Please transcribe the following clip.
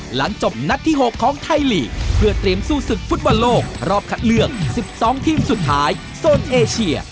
หลังจบนัดที่๖ของไทยลีกเพื่อเตรียมสู้ศึกฟุตบอลโลกรอบคัดเลือก๑๒ทีมสุดท้ายโซนเอเชีย